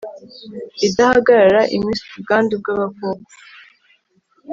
idahagarara, impiswi, ubwandu bw'agakoko